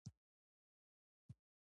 د زهرا د پلار نوم توریالی دی